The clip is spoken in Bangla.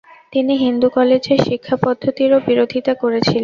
তিনি হিন্দু কলেজের শিক্ষাপদ্ধতিরও বিরোধিতা করেছিলেন।